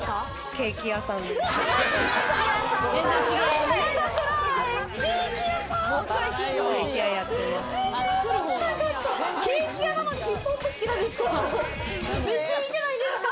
ケーキ屋なのにヒップホップ好きなんですか？